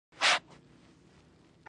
د دریا رڼا هم د دوی په زړونو کې ځلېده.